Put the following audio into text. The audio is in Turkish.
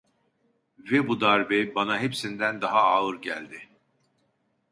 Ve bu darbe, bana hepsinden daha ağır geldi.